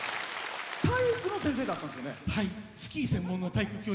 体育の先生だったんですよね。